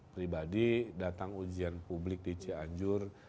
pribadi datang ujian publik di cianjur